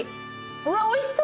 うわおいしそう！